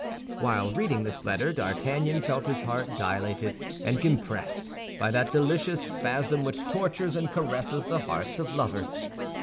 B." While reading this letter, D'Artagnan felt his heart dilated and compressed by that delicious spasm which tortures and caresses the hearts of lovers.